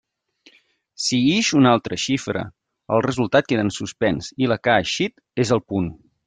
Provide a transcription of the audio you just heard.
Si ix una altra xifra, el resultat queda en suspens i la que ha eixit és el punt.